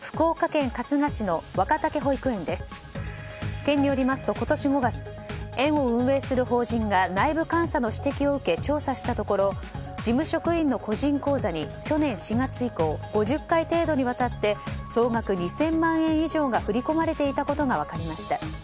県によりますと今年５月園を運営する法人が内部監査の指摘を受け調査をしたところ事務職員の個人口座に去年４月以降５０回程度にわたって総額２０００万円以上が振り込まれていたことが分かりました。